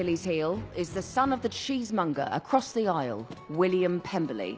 ウィリアム・ペンバリー。